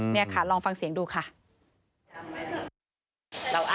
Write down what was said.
นี่ค่ะลองฟังเสียงดูค่ะ